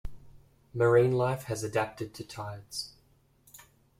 Marine life has adapted to tides.